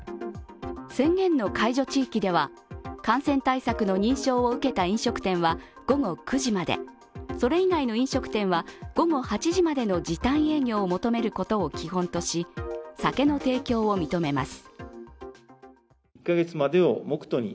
宣言の解除地域では感染対策の認証を受けた飲食店は午後９時までそれ以外の飲食店は午後８時までの時短営業を求めることを基本とし酒の提供を認めます。